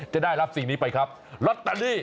จะได้รับสิ่งนี้ไปครับลอตเตอรี่